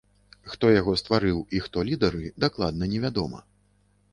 Хто яго стварыў і хто лідары, дакладна невядома.